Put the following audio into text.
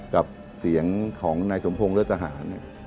กับเสียงของนายสมพงศ์เลือดทหาร